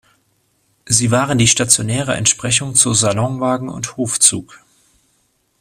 Sie waren die stationäre Entsprechung zu Salonwagen und Hofzug.